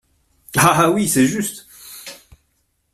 Ah ! oui, c’est juste !…